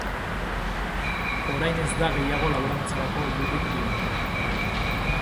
Orain ez da gehiago laborantzarako lurrik Bidarten.